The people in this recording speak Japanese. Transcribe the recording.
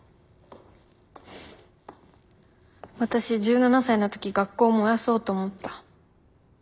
私１７才の時学校を燃やそうと思った。